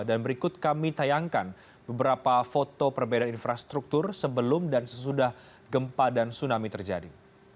dan berikut kami tayangkan beberapa foto perbedaan infrastruktur sebelum dan sesudah gempa dan tsunami terjadi